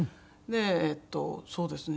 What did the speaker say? えっとそうですね